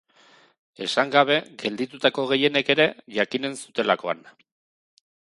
Esan gabe gelditutako gehienek ere jakinen zutelakoan.